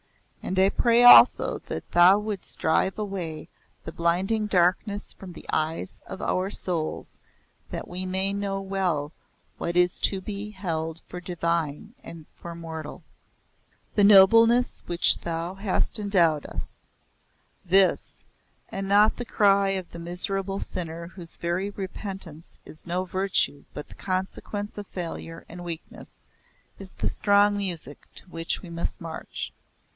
And I pray also that Thou wouldest drive away the blinding darkness from the eyes of our souls that we may know well what is to be held for divine and what for mortal." "The nobleness with which Thou hast endowed us " this, and not the cry of the miserable sinner whose very repentance is no virtue but the consequence of failure and weakness is the strong music to which we must march.